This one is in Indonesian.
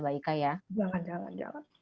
jangan jangan jangan